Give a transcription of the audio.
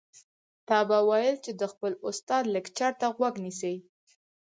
تا به ويل چې د خپل استاد لکچر ته غوږ نیسي.